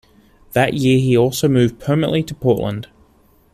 That year he also moved permanently to Portland.